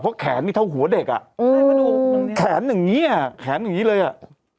เพราะแขนนี่เท่าหัวเด็กอ่ะแขนอย่างนี้เลยอ่ะ